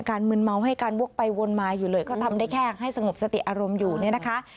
มึนเมาให้การวกไปวนมาอยู่เลยก็ทำได้แค่ให้สงบสติอารมณ์อยู่เนี่ยนะคะ